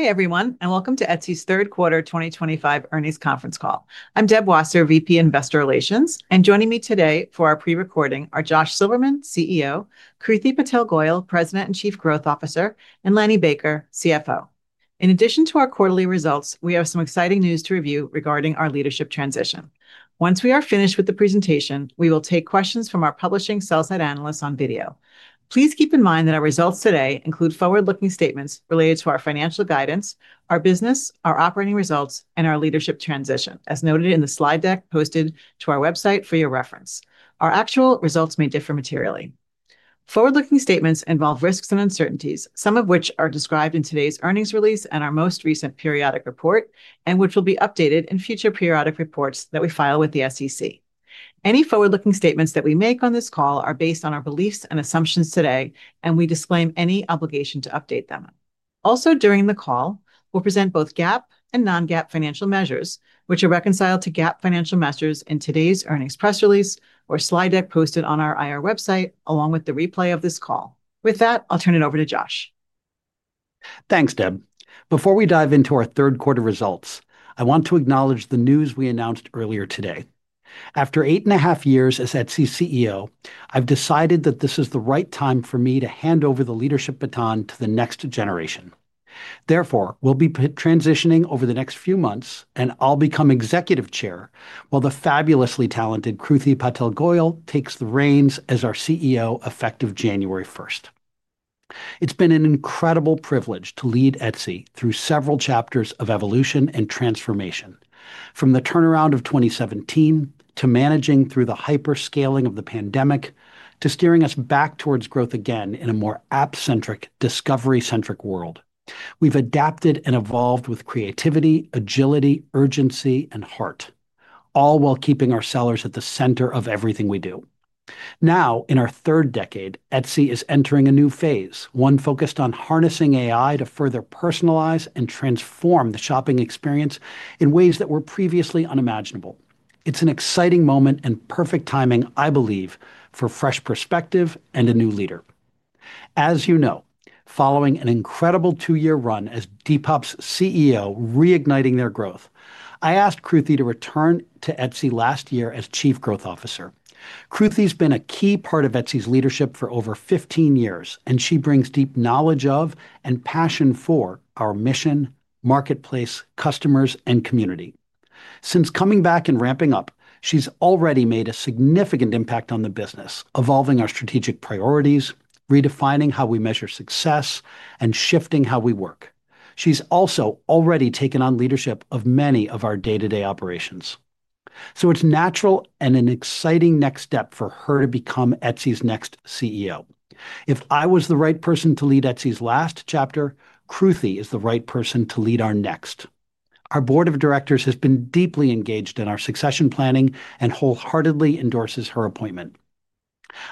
Hi everyone, and welcome to Etsy's Third Quarter 2025 earnings conference call. I'm Deb Wasser, VP, Investor Relations, and joining me today for our pre-recording are Josh Silverman, CEO, Kruti Patel Goyal, President and Chief Growth Officer, and Lanny Baker, CFO. In addition to our quarterly results, we have some exciting news to review regarding our leadership transition. Once we are finished with the presentation, we will take questions from our publishing sell side analysts on video. Please keep in mind that our results today include forward-looking statements related to our financial guidance, our business, our operating results and our leadership transition. As noted in the slide deck posted to our website for your reference, our actual results may differ materially. Forward-looking statements involve risks and uncertainties, some of which are described in today's earnings release and our most recent periodic report and which will be updated in future periodic reports that we file with the SEC. Any forward-looking statements that we make on this call are based on our beliefs and assumptions today, and we disclaim any obligation to update them. Also, during the call we'll present both GAAP and non-GAAP financial measures, which are reconciled to GAAP financial measures in today's earnings press release or slide deck posted on our IR website along with the replay of this call. With that, I'll turn it over to Josh. Thanks Deb. Before we dive into our third quarter results, I want to acknowledge the news we announced earlier today. After eight and a half years as Etsy's CEO, I've decided that this is the right time for me to hand over the leadership baton to the next generation. Therefore, we'll be transitioning over the next few months and I'll become Executive Chair while the fabulously talented Kruti Patel Goyal takes the reins as our CEO effective January 1st. It's been an incredible privilege to lead Etsy through several chapters of evolution and transformation. From the turnaround of 2017 to managing through the hyper scaling of the pandemic to steering us back towards growth again in a more app-centric, discovery-centric world, we've adapted and evolved with creativity, agility, urgency, and heart, all while keeping our sellers at the center of everything we do. Now in our third decade, Etsy is entering a new phase, one focused on harnessing AI to further personalize and transform the shopping experience in ways that were previously unimaginable. It's an exciting moment and perfect timing, I believe, for fresh perspective and a new leader. As you know, following an incredible two-year run as Depop's CEO, reigniting their growth, I asked Kruti to return to Etsy last year as Chief Growth Officer. Kruti's been a key part of Etsy's leadership for over 15 years and she brings deep knowledge of and passion for our mission, marketplace, customers, and community. Since coming back and ramping up, she's already made a significant impact on the business, evolving our strategic priorities, redefining how we measure success, and shifting how we work. She's also already taken on leadership of many of our day-to-day operations, so it's natural and an exciting next step for her to become Etsy's next CEO. If I was the right person to lead Etsy's last chapter, I believe Kruti is the right person to lead our next. Our Board of Directors has been deeply engaged in our succession planning and wholeheartedly endorses her appointment.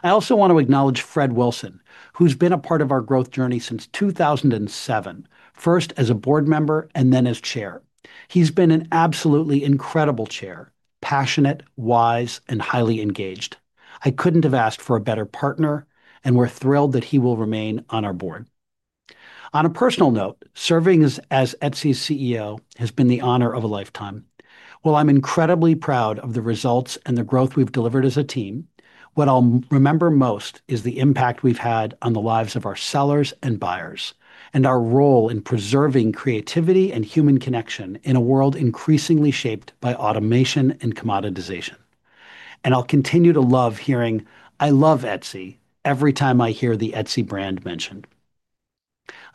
I also want to acknowledge Fred Wilson, who's been a part of our growth journey since 2007, first as a board member and then as Chair. He's been an absolutely incredible Chair, passionate, wise, and highly engaged. I couldn't have asked for a better partner and we're thrilled that he will remain on our board. On a personal note, serving as Etsy's CEO has been the honor of a lifetime. While I'm incredibly proud of the results and the growth we've delivered as a team, what I'll remember most is the impact we've had on the lives of our sellers and buyers and our role in preserving creativity and human connection in a world increasingly shaped by automation and commoditization. I'll continue to love hearing I Love Etsy every time I hear the Etsy brand mentioned.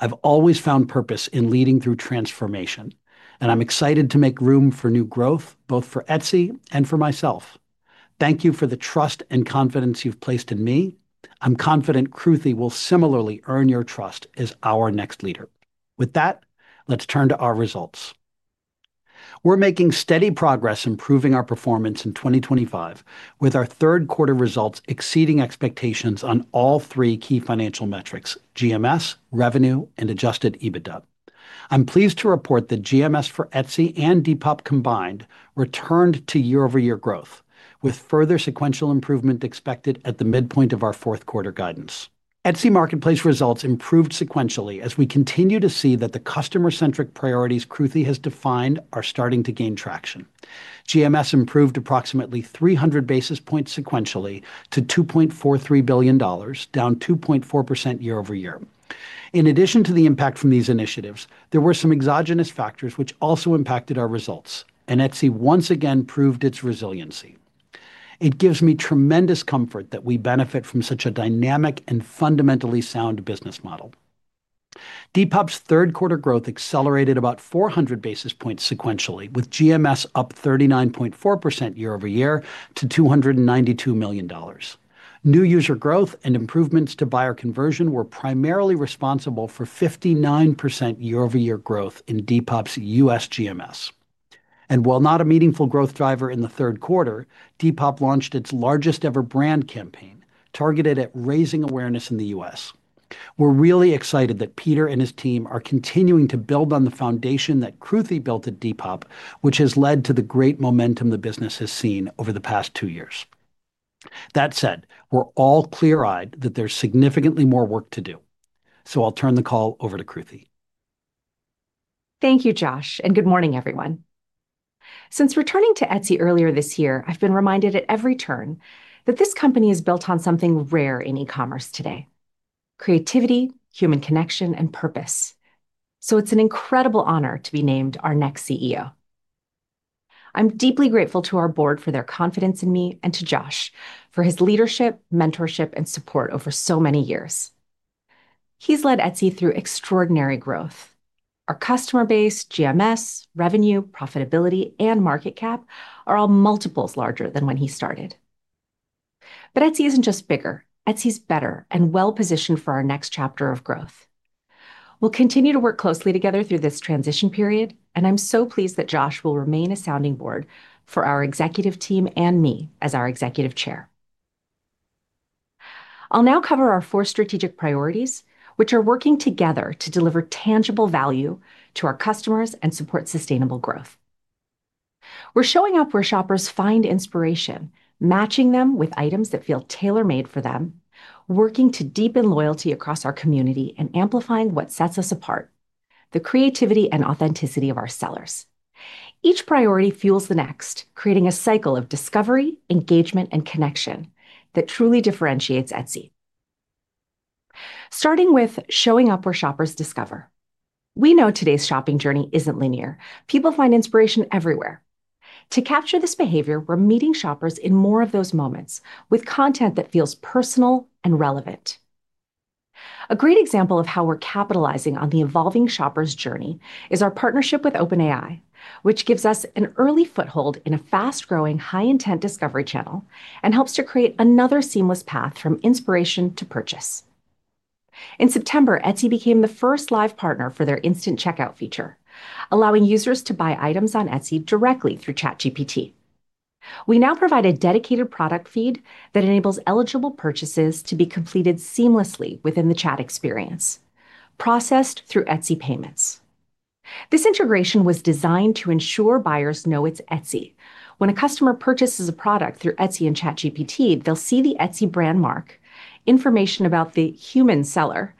I've always found purpose in leading through transformation and I'm excited to make room for new growth both for Etsy and for myself. Thank you for the trust and confidence you've placed in me. I'm confident Kruti will similarly earn your trust as our next leader. With that, let's turn to our results. We're making steady progress improving our performance in 2025 with our third quarter results exceeding expectations on all three key financial metrics, GMS, revenue, and adjusted EBITDA. I'm pleased to report that GMS for Etsy and Depop combined returned to year-over-year growth, with further sequential improvement expected at the midpoint of our fourth quarter guidance. Etsy Marketplace results improved sequentially as we continue to see that the customer-centric priorities Kruti has defined are starting to gain traction. GMS improved approximately 300 basis points sequentially to $2.43 billion, down year-over-year. In addition to the impact from these initiatives, there were some exogenous factors which also impacted our results and Etsy once again proved its resiliency. It gives me tremendous comfort that we benefit from such a dynamic and fundamentally sound business model. Depop's third quarter growth accelerated about 400 basis points sequentially, with GMS up 39.4% year-over-year to $292 million. New user growth and improvements to buyer conversion were primarily responsible for 59% year-over-year growth in Depop's U.S. GMS. While not a meaningful growth driver, in the third quarter Depop launched its largest ever brand campaign targeted at raising awareness in the U.S. We're really excited that Peter and his team are continuing to build on the foundation that Kruti built at Depop, which has led to the great momentum the business has seen over the past two years. That said, we're all clear-eyed that there's significantly more work to do, so I'll turn the call over to Kruti. Thank you, Josh, and good morning, everyone. Since returning to Etsy earlier this year, I've been reminded at every turn that this company is built on something rare in e-commerce today: creativity, human connection, and purpose. It's an incredible honor to be named our next CEO. I'm deeply grateful to our board for their confidence in me and to Josh for his leadership, mentorship, and support. Over so many years, he's led Etsy through extraordinary growth. Our customer base, GMS, revenue, profitability, and market cap are all multiples larger than when he started. Etsy isn't just bigger. Etsy is better and well positioned for our next chapter of growth. We'll continue to work closely together through this transition period, and I'm so pleased that Josh will remain a sounding board for our executive team and me as our Executive Chair, I'll now cover our four strategic priorities, which are working together to deliver tangible value to our customers and support sustainable growth. We're showing up where shoppers find inspiration, matching them with items that feel tailor-made for them, working to deepen loyalty across our community, and amplifying what sets us apart: the creativity and authenticity of our sellers. Each priority fuels the next, creating a cycle of discovery, engagement, and connection that truly differentiates Etsy. Starting with showing up where shoppers discover, we know today's shopping journey isn't linear. People find inspiration everywhere. To capture this behavior, we're meeting shoppers in more of those moments with content that feels personal and relevant. A great example of how we're capitalizing on the evolving shopper's journey is our partnership with OpenAI, which gives us an early foothold in a fast-growing, high-intent discovery channel and helps to create another seamless path from inspiration to purchase. In September, Etsy became the first live partner for their Instant Checkout feature, allowing users to buy items on Etsy directly through ChatGPT. We now provide a dedicated product feed that enables eligible purchases to be completed seamlessly within the chat experience, processed through Etsy Payments. This integration was designed to ensure buyers know it's Etsy. When a customer purchases a product through Etsy and ChatGPT, they'll see the Etsy brand mark, information about the human seller,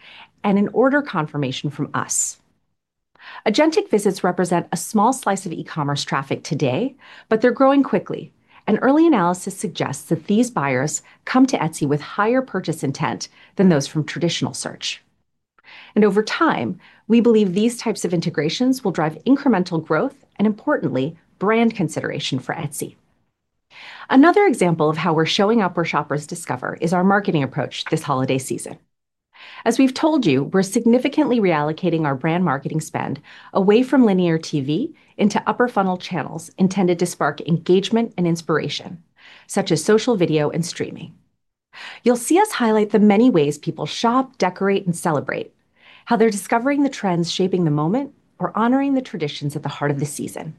and an order confirmation from us. Agentic visits represent a small slice of e-commerce traffic today, but they're growing quickly. An early analysis suggests that these buyers come to Etsy with higher purchase intent than those from traditional search, and over time we believe these types of integrations will drive incremental growth and, importantly, brand consideration for Etsy. Another example of how we're showing up where shoppers discover is our marketing approach this holiday season. As we've told you, we're significantly reallocating our brand marketing spend away from linear TV into upper funnel channels intended to spark engagement and inspiration, such as social video and streaming. You'll see us highlight the many ways people shop, decorate, and celebrate, how they're discovering the trends, shaping the moment, or honoring the traditions at the heart of the season.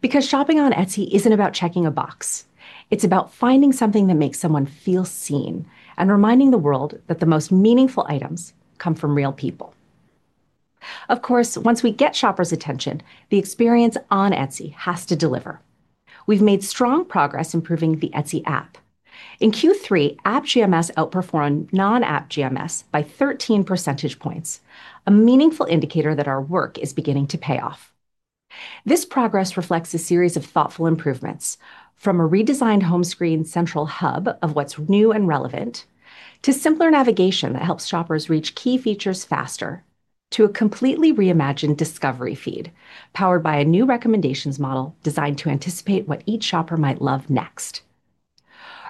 Because shopping on Etsy isn't about checking a box, it's about finding something that makes someone feel seen and reminding the world that the most meaningful items come from real people. Of course, once we get shoppers' attention, the experience on Etsy has to deliver. We've made strong progress improving the Etsy App in Q3. App GMS outperformed non-app GMS by 13 percentage points, a meaningful indicator that our work is beginning to pay off. This progress reflects a series of thoughtful improvements, from a redesigned home screen, central hub of what's new and relevant, to simpler navigation that helps shoppers reach key features faster, to a completely reimagined discovery feed powered by a new recommendations model designed to anticipate what each shopper might love next.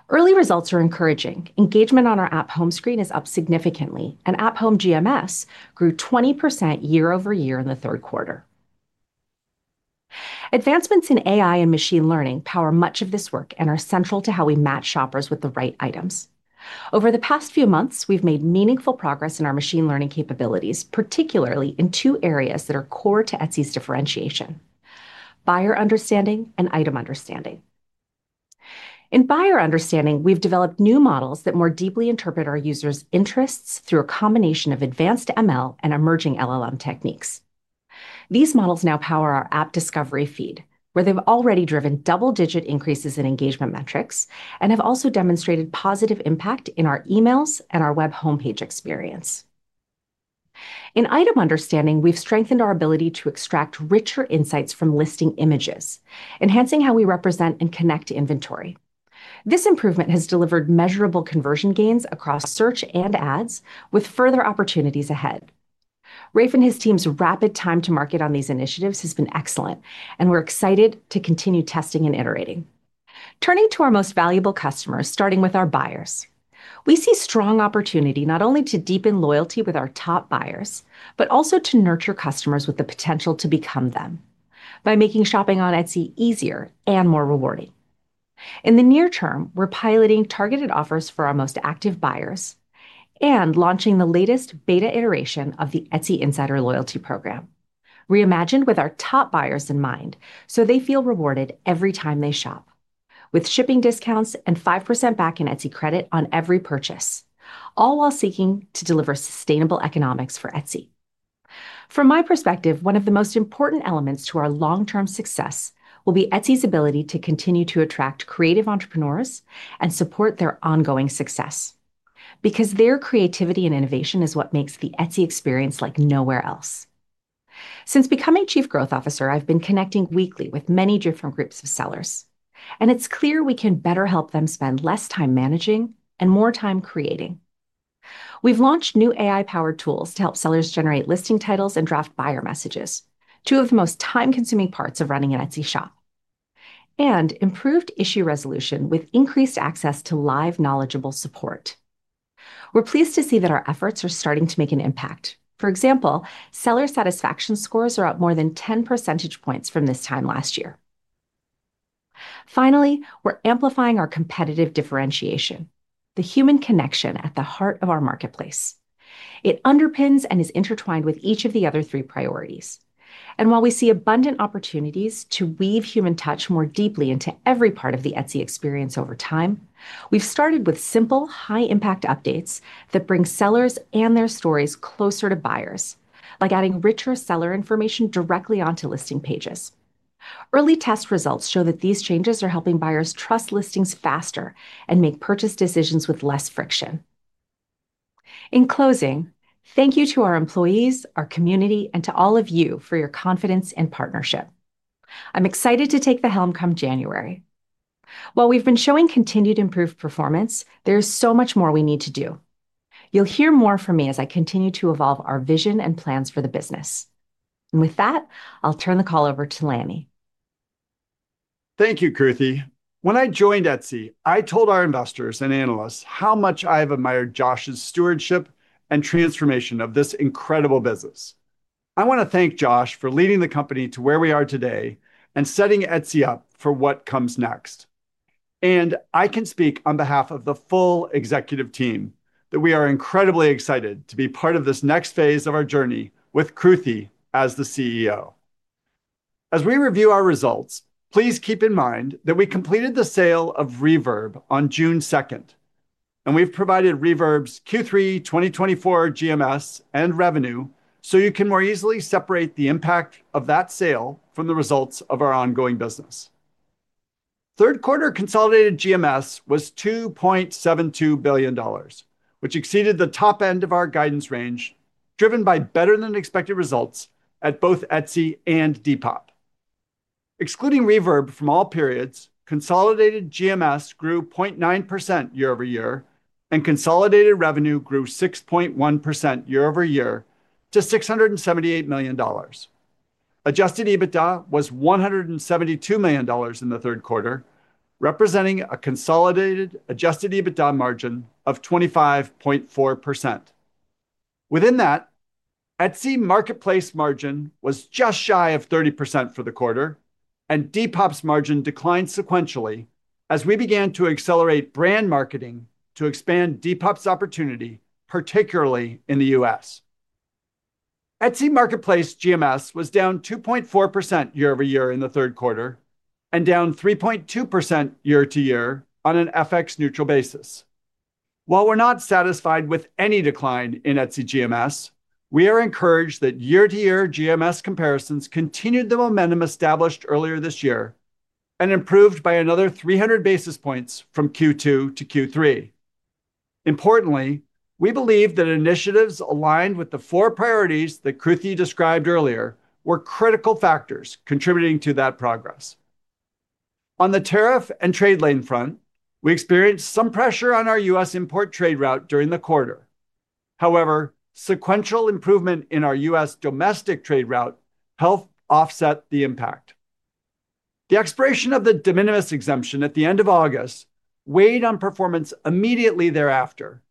Early results are encouraging. Engagement on our app home screen is up significantly, and app home GMS grew year-over-year in the third quarter. Advancements in AI and machine learning power much of this work and are central to how we match shoppers with the right items. Over the past few months, we've made meaningful progress in our machine learning capabilities, particularly in two areas that are core to Etsy's differentiation: buyer understanding and item understanding. In buyer understanding, we've developed new models that more deeply interpret our users' interests through a combination of advanced ML and emerging LLM techniques. These models now power our app discovery feed, where they've already driven double-digit increases in engagement metrics and have also demonstrated positive impact in our emails and our web homepage experience. In Item Understanding, we've strengthened our ability to extract richer insights from listing images, enhancing how we represent and connect inventory. This improvement has delivered measurable conversion gains across search and ads. With further opportunities ahead, Rafe and his team's rapid time to market on these initiatives has been excellent, and we're excited to continue testing and iterating. Turning to our most valuable customers, starting with our buyers, we see strong opportunity not only to deepen loyalty with our top buyers, but also to nurture customers with the potential to become them by making shopping on Etsy easier and more rewarding. In the near term, we're piloting targeted offers for our most active buyers and launching the latest beta iteration of the Etsy Insider loyalty program, reimagined with our top buyers in mind so they feel rewarded every time they shop with shipping discounts and 5% back in Etsy credit on every purchase, all while seeking to deliver sustainable economics for Etsy. From my perspective, one of the most important elements to our long-term success will be Etsy's ability to continue to attract creative entrepreneurs and support their ongoing success because their creativity and innovation is what makes the Etsy experience like nowhere else. Since becoming Chief Growth Officer, I've been connecting weekly with many different groups of sellers, and it's clear we can better help them spend less time managing and more time creating. We've launched new AI-powered tools to help sellers generate listing titles and draft buyer messages, two of the most time-consuming parts of running an Etsy shop, and improved issue resolution. With increased access to live, knowledgeable support, we're pleased to see that our efforts are starting to make an impact. For example, seller satisfaction scores are up more than 10 percentage points from this time last year. Finally, we're amplifying our competitive differentiation, the human connection at the heart of our marketplace. It underpins and is intertwined with each of the other three priorities. While we see abundant opportunities to weave human touch more deeply into every part of the Etsy experience over time, we've started with simple, high-impact updates that bring sellers and their stories closer to buyers, like adding richer seller information directly onto listing pages. Early test results show that these changes are helping buyers trust listings faster and make purchase decisions with less friction. In closing, thank you to our employees, our community, and to all of you for your confidence and partnership. I'm excited to take the helm come January. While we've been showing continued improved performance, there is so much more we need to do. You'll hear more from me as I continue to evolve our vision and plans for the business. With that, I'll turn the call over to Lanny. Thank you, Kruti. When I joined Etsy, I told our investors and analysts how much I've admired Josh's stewardship and transformation of this incredible business. I want to thank Josh for leading the company to where we are today and setting Etsy up for what comes next. I can speak on behalf of the full executive team that we are incredibly excited to be part of this next phase of our journey with Kruti as the CEO. As we review our results, please keep in mind that we completed the sale of Reverb on June 2nd, and we've provided Reverb's Q3 2024 GMS and revenue so you can more easily separate the impact of that sale from the results of our ongoing business. Third quarter consolidated GMS was $2.72 billion, which exceeded the top end of our guidance range, driven by better than expected results at both Etsy and Depop. Excluding Reverb from all periods, consolidated GMS grew 0.9% year-over-year and consolidated revenue grew 6.1% year-over-year to $678 million. Adjusted EBITDA was $172 million in the third quarter, representing a consolidated adjusted EBITDA margin of 25.4%. Within that, Etsy Marketplace margin was just shy of 30% for the quarter, and Depop's margin declined sequentially as we began to accelerate brand marketing to expand Depop's opportunity, particularly in the U.S. Etsy Marketplace GMS was down 2.4% year-over-year in the third quarter and down 3.2% year to year on an FX-neutral basis. While we're not satisfied with any decline in Etsy GMS, we are encouraged that year to year GMS comparisons continued the momentum established earlier this year and improved by another 300 basis points from Q2 to Q3. Importantly, we believe that initiatives aligned with the four priorities that Kruti described earlier were critical factors contributing to that progress. On the tariff and trade lane front, we experienced some pressure on our U.S. import trade route during the quarter. However, sequential improvement in our U.S. domestic trade route helped offset the impact. The expiration of the de minimis exemption at the end of August weighed on performance immediately thereafter,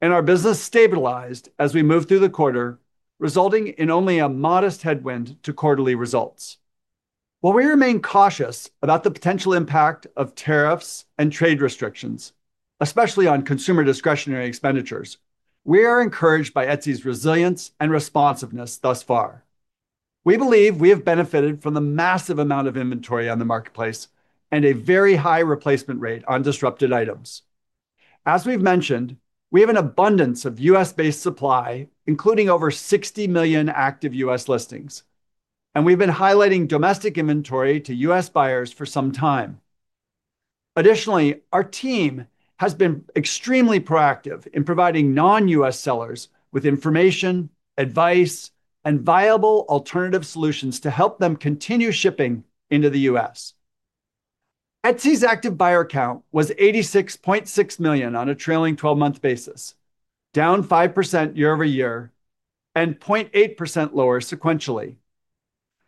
and our business stabilized as we moved through the quarter, resulting in only a modest headwind to quarterly results. While we remain cautious about the potential impact of tariffs and trade restrictions, especially on consumer discretionary expenditures, we are encouraged by Etsy's resilience and responsiveness. Thus far, we believe we have benefited from the massive amount of inventory on the marketplace and a very high replacement rate on disrupted items. As we've mentioned, we have an abundance of U.S.-based supply including over 60 million active U.S. listings, and we've been highlighting domestic inventory to U.S. buyers for some time. Additionally, our team has been extremely proactive in providing non-U.S. sellers with information, advice, and viable alternative solutions to help them continue shipping into the U.S. Etsy's active buyer count was 86.6 million on a trailing 12-month basis, down 5% year-over-year and 0.8% lower sequentially.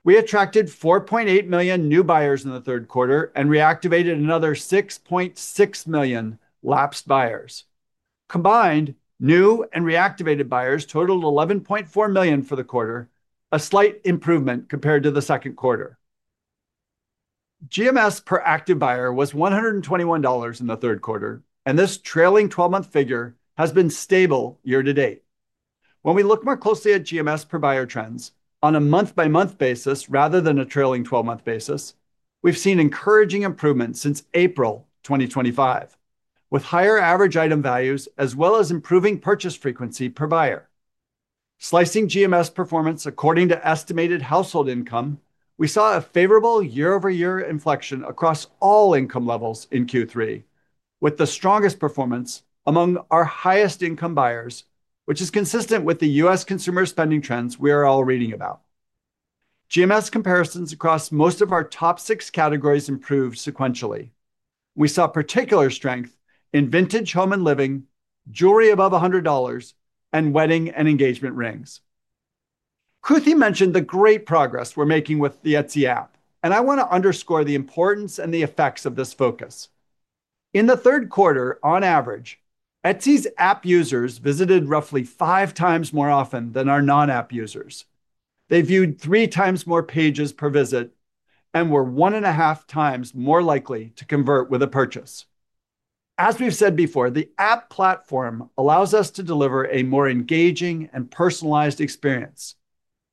We attracted 4.8 million new buyers in the third quarter and reactivated another 6.6 million lapsed buyers. Combined new and reactivated buyers totaled 11.4 million for the quarter, a slight improvement compared to the second quarter. GMS per active buyer was $121 in the third quarter and this trailing twelve-month figure has been stable year to date. When we look more closely at GMS per buyer trends on a month-by-month basis rather than a trailing twelve-month basis, we've seen encouraging improvement since April 2025 with higher average item values as well as improving purchase frequency per buyer. Slicing GMS performance according to estimated household income, we saw a favorable year-over-year inflection across all income levels in Q3 with the strongest performance among our highest income buyers, which is consistent with the U.S. consumer spending trends we are all reading about. GMS comparisons across most of our top six categories improved sequentially. We saw particular strength in vintage home and living, jewelry above $100, and wedding and engagement rings. Kruti mentioned the great progress we're making with the Etsy App and I want to underscore the importance and the effects of this focus. In the third quarter, on average, Etsy's app users visited roughly five times more often than our non-app users. They viewed three times more pages per visit and were 1.5x more likely to convert with a purchase. As we've said before, the app platform allows us to deliver a more engaging and personalized experience,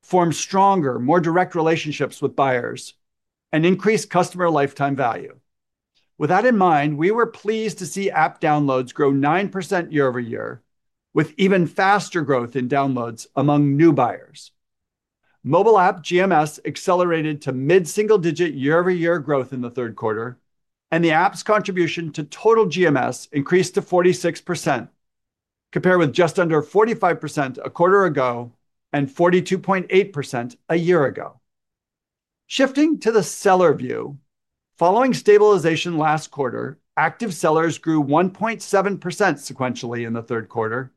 form stronger, more direct relationships with buyers, and increase customer lifetime value. With that in mind, we were pleased to see app downloads grow 9% year-over-year, with even faster growth in downloads among new buyers. Mobile app GMS accelerated to mid single year-over-year growth in the third quarter, and the app's contribution to total GMS increased to 46% compared with just under 45% a quarter ago and 42.8% a year ago. Shifting to the seller view, following stabilization last quarter, active sellers grew 1.7% sequentially in the third quarter,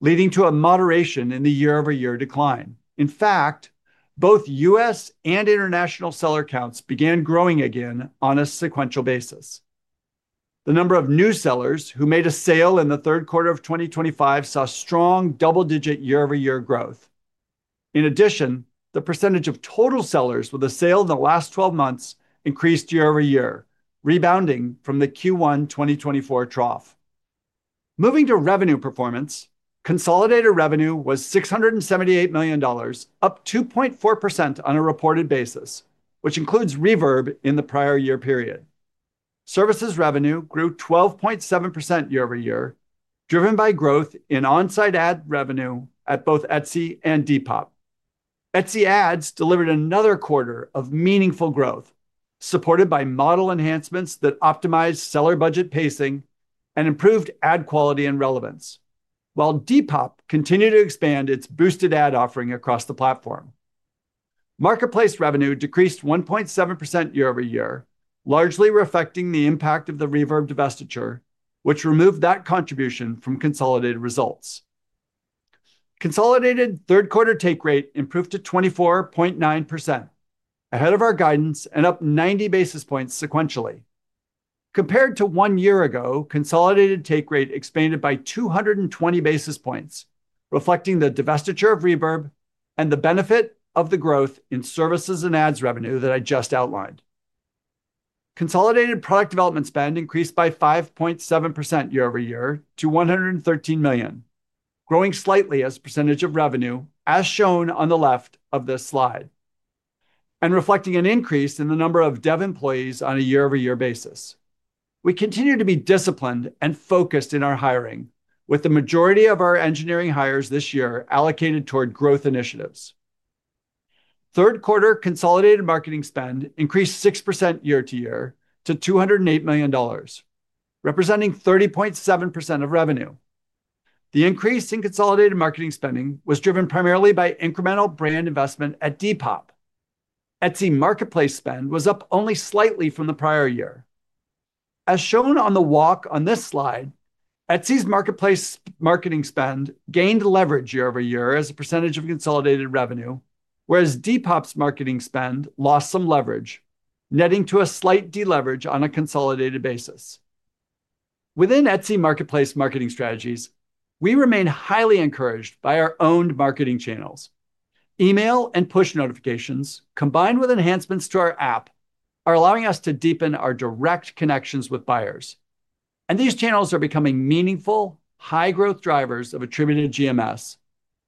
leading to a moderation in year-over-year decline. In fact, both U.S. and international seller counts began growing again on a sequential basis. The number of new sellers who made a sale in the third quarter of 2025 saw strong double digit year-over-year growth. In addition, the percentage of total sellers with a sale in the last 12 months increased year-over-year, rebounding from the Q1 2024 trough. Moving to revenue performance, consolidated revenue was $678 million, up 2.4% on a reported basis, which includes Reverb in the prior year period. Services revenue grew 12.7% year-over-year, driven by growth in on site ad revenue at both Etsy and Depop. Etsy Ads delivered another quarter of meaningful growth, supported by model enhancements that optimized seller budget pacing and improved ad quality and relevance. While Depop continued to expand its boosted ad offering across the platform, marketplace revenue decreased 1.7% year-over-year, largely reflecting the impact of the Reverb divestiture, which removed that contribution from consolidated results. Consolidated third quarter take rate improved to 24.9%, ahead of our guidance and up 90 basis points sequentially compared to one year ago. Consolidated take rate expanded by 220 basis points, reflecting the divestiture of Reverb and the benefit of the growth in services and ads revenue that I just outlined. Consolidated product development spend increased by 5.7% year-over-year to $113 million, growing slightly as a percentage of revenue as shown on the left of this slide and reflecting an increase in the number of dev employees on year-over-year basis. We continue to be disciplined and focused in our hiring, with the majority of our engineering hires this year allocated toward growth initiatives. Third quarter consolidated marketing spend increased 6% year to year to $208 million, representing 30.7% of revenue. The increase in consolidated marketing spending was driven primarily by incremental brand investment at Depop. Etsy Marketplace spend was up only slightly from the prior year. As shown on the walk on this slide, Etsy Marketplace marketing spend gained year-over-year as a percentage of consolidated revenue, whereas Depop's marketing spend lost some leverage, netting to a slight deleverage on a consolidated basis. Within Etsy Marketplace marketing strategies, we remain highly encouraged by our owned marketing channels. Email and push notifications combined with enhancements to our app experience are allowing us to deepen our direct connections with buyers, and these channels are becoming meaningful high growth drivers of attributed GMS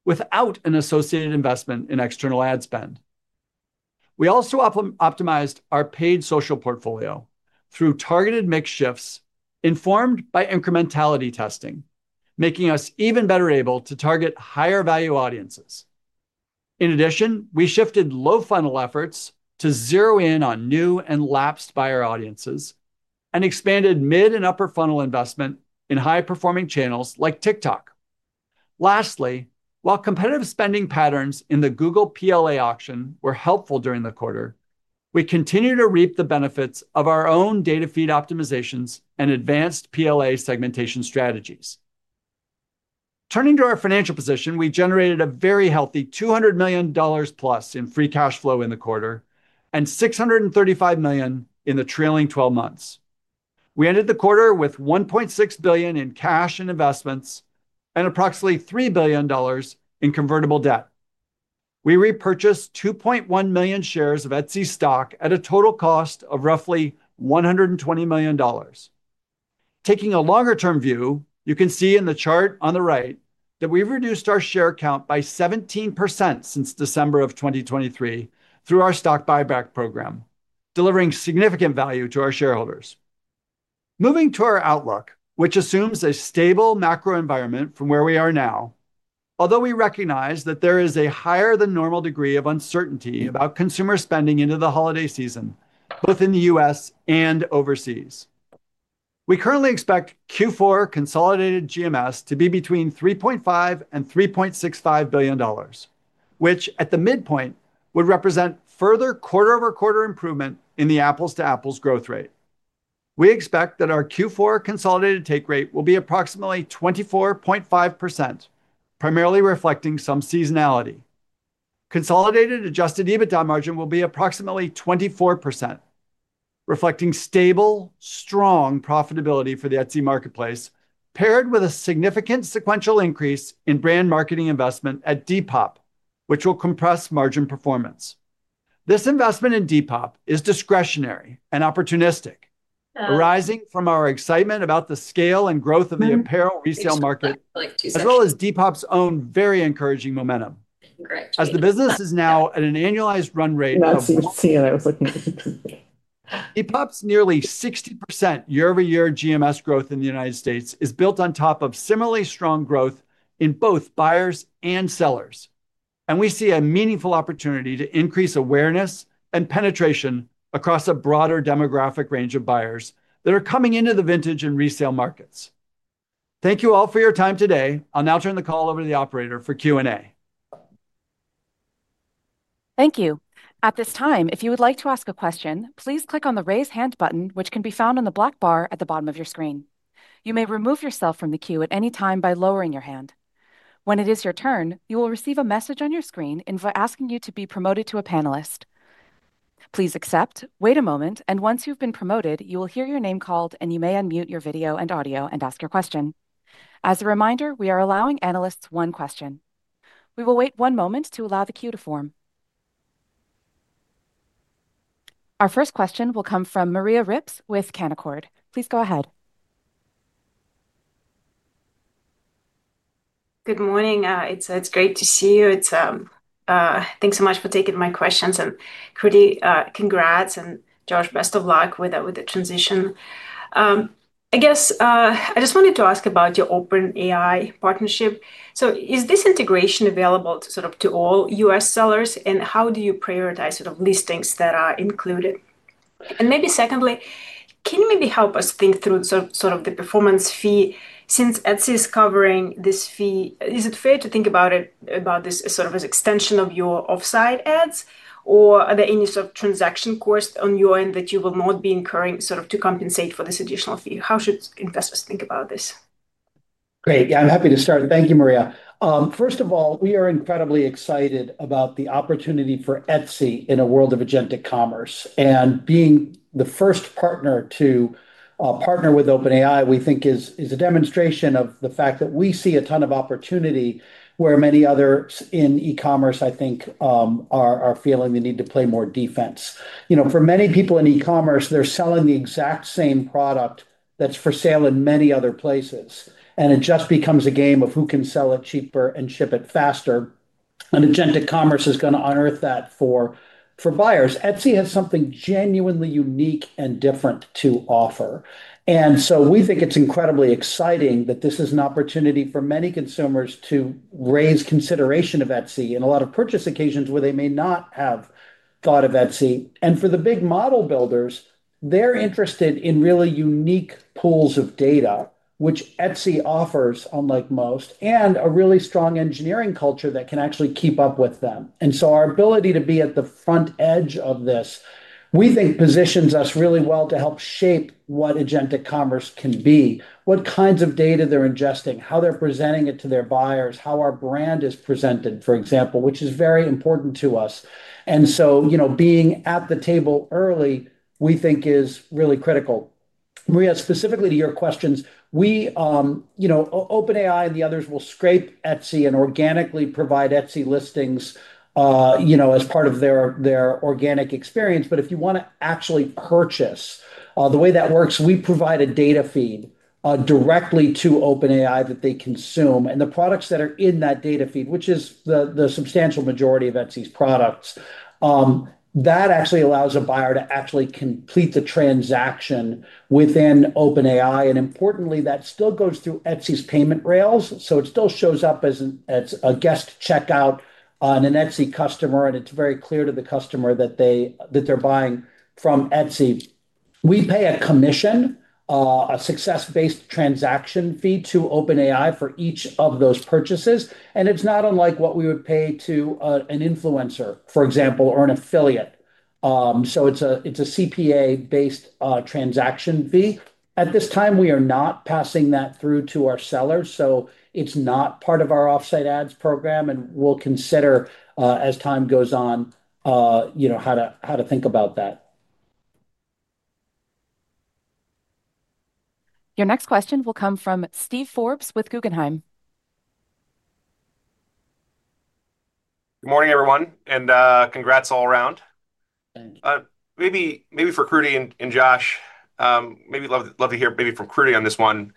without an associated investment in external ad spend. We also optimized our paid social portfolio through targeted mix shifts informed by incrementality testing, making us even better able to target higher value audiences. In addition, we shifted low funnel efforts to zero in on new and lapsed buyer audiences and expanded mid and upper funnel investment in high performing channels like TikTok. Lastly, while competitive spending patterns in the Google PLA auction were helpful during the quarter, we continue to reap the benefits of our own data feed optimizations and advanced PLA segmentation strategies. Turning to our financial position, we generated a very healthy $200+ million in free cash flow in the quarter and $635 million in the trailing 12 months. We ended the quarter with $1.6 billion in cash and investments and approximately $3 billion in convertible debt. We repurchased 2.1 million shares of Etsy stock at a total cost of roughly $120 million. Taking a longer term view, you can see in the chart on the right that we've reduced our share count by 17% since December of 2023 through our stock buyback program, delivering significant value to our shareholders. Moving to our outlook, which assumes a stable macro environment from where we are now. Although we recognize that there is a higher than normal degree of uncertainty about consumer spending into the holiday season both in the U.S. and overseas, we currently expect Q4 consolidated GMS to be between $3.5 billion and $3.65 billion, which at the midpoint would represent further quarter over quarter improvement in the apples to apples growth rate. We expect that our Q4 consolidated take rate will be approximately 24.5%, primarily reflecting some seasonality. Consolidated adjusted EBITDA margin will be approximately 24%, reflecting stable strong profitability for the Etsy marketplace paired with a significant sequential increase in brand marketing investment at Depop, which will compress margin performance. This investment in Depop is discretionary and opportunistic, arising from our excitement about the scale and growth of the apparel resale market as well as Depop's own very encouraging momentum as the business is now at an annualized run rate. Depop's nearly [60%] year-over-year GMS growth in the U.S is built on top of similarly strong growth in both buyers and sellers, and we see a meaningful opportunity to increase awareness and penetration across a broader demographic range of buyers that are coming into the vintage and resale markets. Thank you all for your time today. I'll now turn the call over to the operator for Q and A. Thank you. At this time, if you would like to ask a question, please click on the raise hand button, which can be found on the black bar at the bottom of your screen. You may remove yourself from the queue at any time by lowering your hand. When it is your turn, you will receive a message on your screen asking you to be promoted to a panelist. Please accept, wait a moment, and once you've been promoted, you will hear your name called and you may unmute your video and audio and ask your question. As a reminder, we are allowing analysts one question. We will wait one moment to allow the queue to form. Our first question will come from Maria Ripps with Canaccord. Please go ahead. Good morning. It's great to see you. Thanks so much for taking my questions. Kruti, congrats. Josh, best of luck with the transition, I guess. I just wanted to ask about your OpenAI partnership. Is this integration available to all U.S. sellers and how do you prioritize listings that are included? Maybe secondly, can you help us think through the performance fee? Since Etsy is covering this fee, is it fair to think about this as sort of an extension of your offsite ads? Are there any sort of transaction costs on your end that you will not be incurring to compensate for this additional fee? How should investors think about this? Great. Yeah, I'm happy to start. Thank you, Maria. First of all, we are incredibly excited about the opportunity for Etsy in a world of agentic commerce. Being the first partner to partner with OpenAI, we think is a demonstration of the fact that we see a ton of opportunity where many others in e-commerce, I think, are feeling the need to play more defense. For many people in e-commerce, they're selling the exact same product that's for sale in many other places, and it just becomes a game of who can sell it cheaper and ship it faster. Agentic commerce is going to unearth that for buyers. Etsy has something genuinely unique and different to offer, and we think it's incredibly exciting that this is an opportunity for many consumers to raise consideration Etsy in a lot of purchase occasions where they may not have thought of Etsy. For the big model builders, they're interested in really unique pools of data, Etsy offers unlike most, and a really strong engineering culture that can actually keep up with them. Our ability to be at the front edge of this, we think, positions us really well to help shape what agentic commerce can be, what kinds of data they're ingesting, how they're presenting it to their buyers, how our brand is presented, for example, which is very important to us. Being at the table early, we think, is really critical. Maria, specifically to your questions, OpenAI and the others will scrape Etsy and organically provide Etsy listings as part of their organic experience. If you want to actually purchase, the way that works, we provide a data feed directly to OpenAI that they consume, and the products that are in that data feed, which is the substantial majority of Etsy's products, that actually allows a buyer to actually complete the transaction within OpenAI. Importantly, that still goes through Etsy's payment rails, so it still shows up as a guest checkout on an Etsy customer. It's very clear to the customer that they're buying from Etsy We pay a commission, a success-based transaction fee to OpenAI for each of those purchases, and it's not unlike what we would pay to an influencer, for example, or an affiliate. It's a CPA-based transaction fee. At this time, we are not passing that through to our sellers, so it's not part of our offsite ads program, and we'll consider as time goes on how to think about that. Your next question will come from Steve Forbes with Guggenheim. Good morning everyone, and congrats all around. Maybe for Kruti and Josh. Maybe love to hear from Kruti on this one.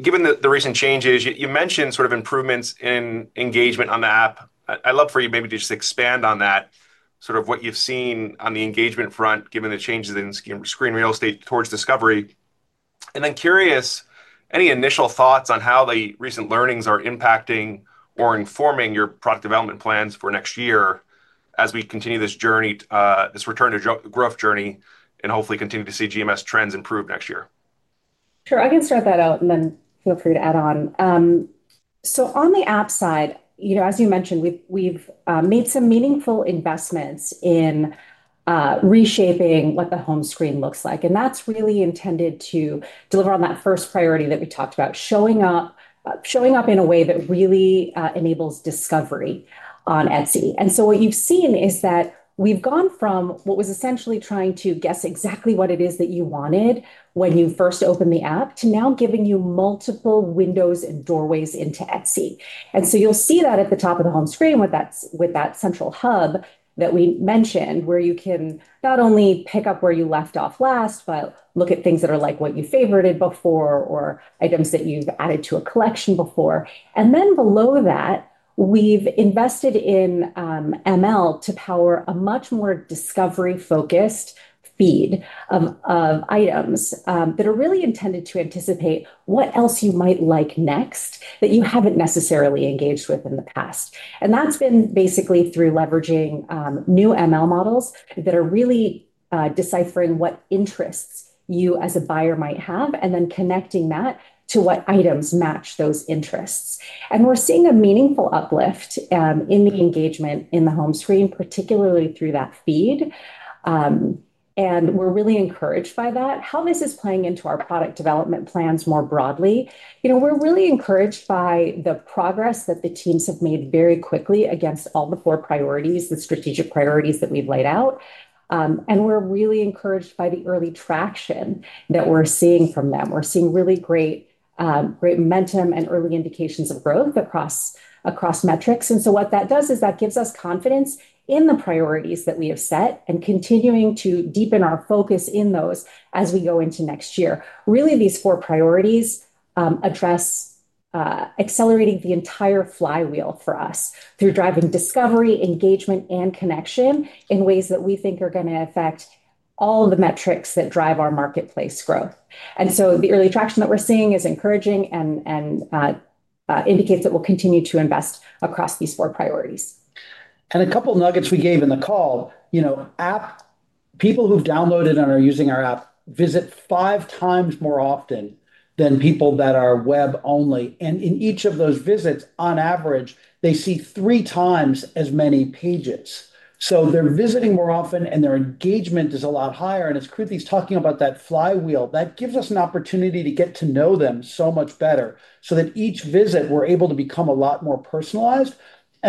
Given the recent changes you mentioned, sort of improvements in engagement on the app, I'd love for you to just expand on that, what you've seen on the engagement front given the changes in screen real estate towards discovery. Curious, any initial thoughts on how the recent learnings are impacting or informing your product development plans for next year as we continue this journey, this return to growth journey, and hopefully continue to see GMS trends improve next year? Sure, I can start that out and then feel free to add on. On the app side, as you mentioned, we've made some meaningful investments in reshaping what the home screen looks like. That's really intended to deliver on that first priority that we talked about, showing up in a way that really enables discovery on Etsy. What you've seen is that we've gone from what was essentially trying to guess exactly what it is that you wanted when you first opened the app to now giving you multiple windows and doorways into Etsy. You'll see that at the top of the home screen with that central hub that we mentioned, where you can not only pick up where you left off last, but look at things that are like what you favorited before or items that you've added to a collection before. Below that, we've invested in machine learning to power a much more discovery-focused feed of items that are really intended to anticipate what else you might like next that you haven't necessarily engaged with in the past. That's been basically through leveraging new machine learning models that are really deciphering what interests you as a buyer might have and then connecting that to what items match those interests. We're seeing a meaningful uplift in the engagement in the home screen, particularly through that feed. We're really encouraged by that, how this is playing into our product development plans more broadly. We're really encouraged by the progress that the teams have made very quickly against all the four priorities, the strategic priorities that we've laid out. We're really encouraged by the early traction that we're seeing from them. We're seeing really great momentum and early indications of growth across metrics. What that does is that gives us confidence in the priorities that we have set and continuing to deepen our focus in those as we go into next year. Really, these four priorities address accelerating the entire flywheel for us through driving discovery, engagement, and connection in ways that we think are going to affect all the metrics that drive our marketplace growth. The early traction that we're seeing is encouraging and indicates that we'll continue to invest across these four priorities. A couple nuggets we gave in the call, people who've downloaded and are using our app visit five times more often than people that are web only. In each of those visits, on average, they see three times as many pages. They're visiting more often and their engagement is a lot higher. As Kruti's talking about that flywheel, that gives us an opportunity to get to know them so much better, so that each visit we're able to become a lot more personalized.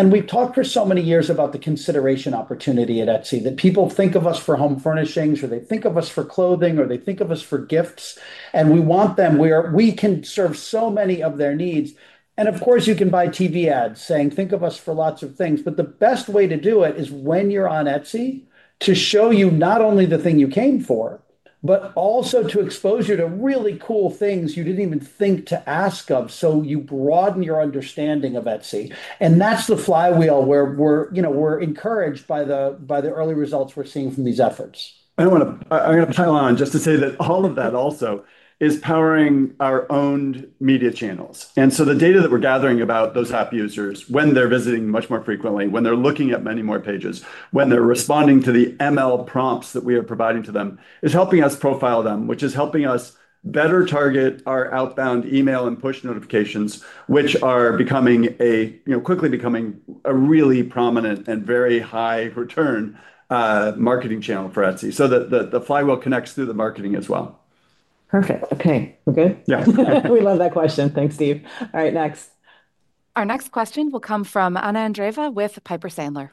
We've talked for so many years about the consideration opportunity at Etsy, that people think of us for home furnishings or they think of us for clothing, or they think of us for gifts, and we want them where we can serve so many of their needs. Of course, you can buy TV ads saying think of us for lots of things. The best way to do it is when you're on Etsy to show you not only the thing you came for, but also to expose you to really cool things you didn't even think to ask of. You broaden your understanding of Etsy. That's the flywheel where we're encouraged by the early results we're seeing from these efforts. I'm going to pile on just to say that all of that also is powering our owned media channels. The data that we're gathering about those app users when they're visiting much more frequently, when they're looking at many more pages, when they're responding to the ML prompts that we are providing to them, is helping us profile them, which is helping us better target our outbound email and push notifications, which are quickly becoming a really prominent and very high return marketing channel for Etsy so that the flywheel connects through the marketing as well. Perfect. Okay. Okay. Yeah, we love that question. Thanks, Steve. All right, Our next question will come from Anna Andreeva with Piper Sandler.